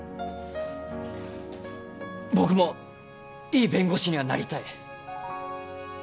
僕もいい弁護士にはなりたい。